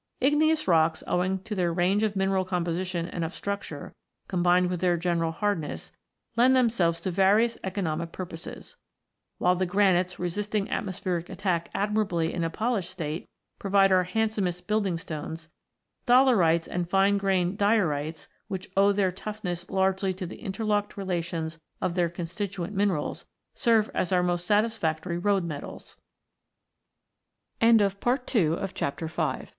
Igneous rocks, owing to their range of mineral composition and of structure, combined with their general hardness, lend themselves to various economic purposes. While the granites, resisting atmospheric attack admirably in a polished state, provide our handsomest building stones, dolerites and fine grained diorites, which owe their toughness largely to the interlocked relations of their constituent minerals, serve as ou